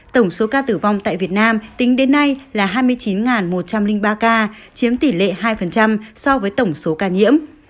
tổng số ca tử vong tại việt nam tính đến nay là hai mươi chín một trăm linh ba ca chiếm tỷ lệ hai so với tổng số ca nhiễm